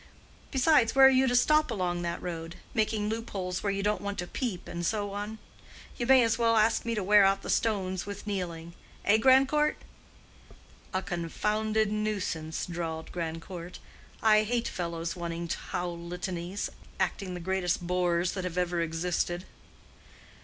Besides, where are you to stop along that road—making loopholes where you don't want to peep, and so on? You may as well ask me to wear out the stones with kneeling; eh, Grandcourt?" "A confounded nuisance," drawled Grandcourt. "I hate fellows wanting to howl litanies—acting the greatest bores that have ever existed."